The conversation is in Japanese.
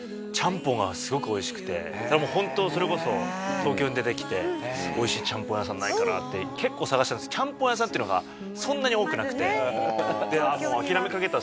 ホントそれこそ東京に出てきて美味しいちゃんぽん屋さんないかなって結構探したんですけどちゃんぽん屋さんっていうのがそんなに多くなくて。